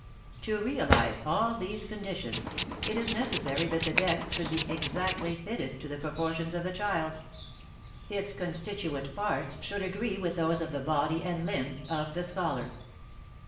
To realize all these conditions, it is necessary that the desk should be exactly fitted to the proportions of the child; its constituent parts should agree with those of the body and limbs of the scholar.